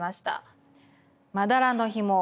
「まだらのひも」